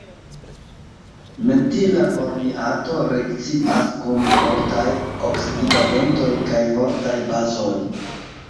Mentila formiato reakcias kun fortaj oksidigagentoj kaj fortaj bazoj.